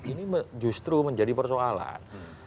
ini justru menjadi persoalan